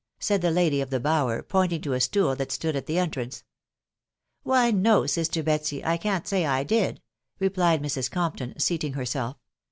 " said the lady of the bower, pointing to a stool that stood at the entrance. " Why no, sister Betsy, I can't say I did," replied Mrs. Compton, seating herself.